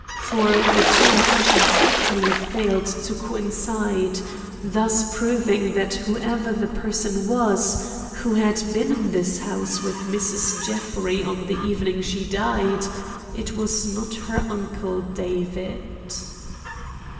For the two impressions utterly failed to coincide, thus proving that whoever the person was who had been in this house with Mrs. Jeffrey on the evening she died, it was not her uncle David.